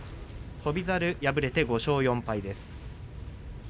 翔猿、敗れて５勝４敗です。